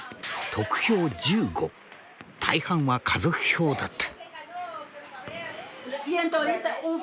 得票１５大半は家族票だった。